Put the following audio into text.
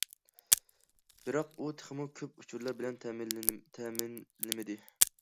بىراق ئۇ تېخىمۇ كۆپ ئۇچۇرلار بىلەن تەمىنلىمىدى.